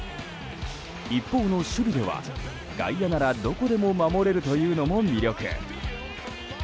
一方の守備では、外野ならどこでも守れるというのも魅力。